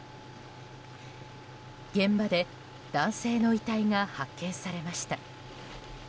現場で男性の遺体が発見されました。